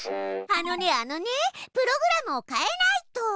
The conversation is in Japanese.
あのねプログラムを変えないと。